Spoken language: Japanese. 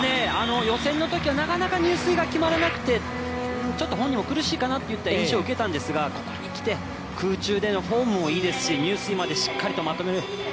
予選のときはなかなか入水が決まらなくて、ちょっと本人も苦しいかなという印象を受けたんですがここに来て、空中でのフォームもいいですし入水までしっかりまとめて。